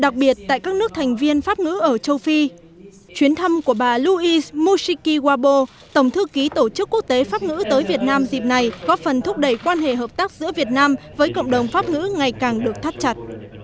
chuyến thăm của bà louis mushiki wabo tổng thư ký tổ chức quốc tế pháp ngữ tới việt nam dịp này góp phần thúc đẩy quan hệ hợp tác giữa việt nam với cộng đồng pháp ngữ ngày càng được thắt chặt